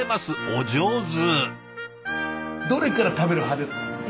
お上手。